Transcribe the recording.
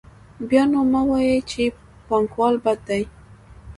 بیا نو مه وایئ چې پانګوال بد دي